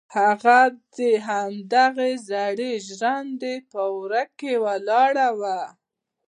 هغه د همدې زړې ژرندې په وره کې ولاړه وه.